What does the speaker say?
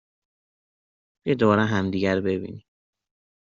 بیایید دوباره ملاقات کنیم!